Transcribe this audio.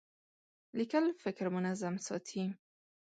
لیکل فکر منظم ساتي.